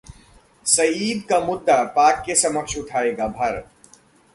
सईद का मुद्दा पाक के समक्ष उठाएगा भारत